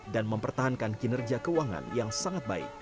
dan mempertahankan kinerja keuangan yang sangat baik